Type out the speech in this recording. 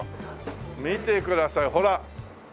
見てくださいほら。